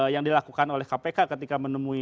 yang dilakukan oleh kpk ketika menemui